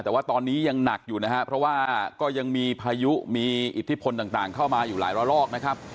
แต่ว่าตอนนี้ยังหนักอยู่นะครับเพราะว่าก็ยังมีพายุมีอิทธิพลต่างเข้ามาอยู่หลายระลอกนะครับ